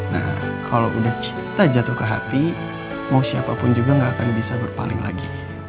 nah kalau udah cinta jatuh ke hati mau siapapun juga gak akan bisa berpaling lagi